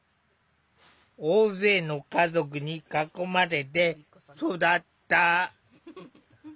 大勢の家族に囲まれて育った。